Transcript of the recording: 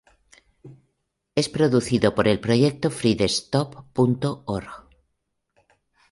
Es producido por el proyecto freedesktop.org.